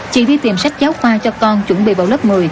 chị đi tìm sách giáo khoa cho con chuẩn bị vào lớp một mươi